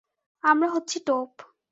আমরা হচ্ছি টোপ।